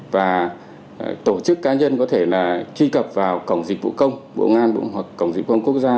và tổ chức cá nhân có thể truy cập vào cổng dịch vụ công bộ ngoan hoặc cổng dịch vụ công quốc gia